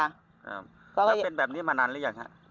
แล้วเป็นแบบนี้มานานหรือยังฮะ